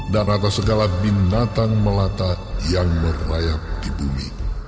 dan atas segala binatang melata yang merayap di bumi